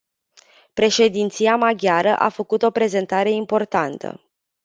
Președinția maghiară a făcut o prezentare importantă.